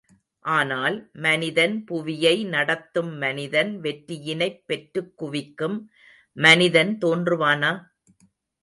ஆனால், மனிதன் புவியை நடத்தும் மனிதன் வெற்றியினைப் பெற்றுக் குவிக்கும் மனிதன் தோன்றுவானா?